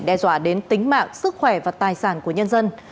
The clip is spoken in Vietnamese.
đe dọa đến tính mạng sức khỏe và tài sản của nhân dân